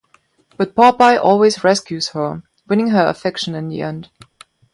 But Popeye always rescues her, winning her affection in the end.